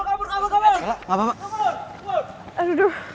kebun kabur kabur kabur